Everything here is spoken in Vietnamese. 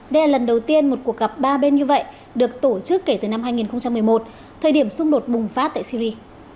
đây là lần đầu tiên một cuộc gặp ba bên như vậy được tổ chức kể từ năm hai nghìn một mươi một thời điểm xung đột bùng phát tại syri